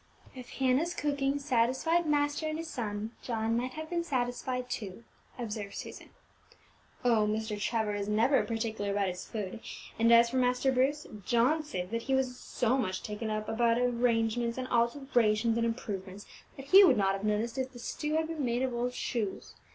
"If Hannah's cooking satisfied master and his son, John might have been satisfied too," observed Susan. "Oh, Mr. Trevor is never partic'lar about his food; and as for Master Bruce, John says that he was so much taken up about arrangements, and alterations, and improvements, that he would not have noticed if the stew had been made of old shoes.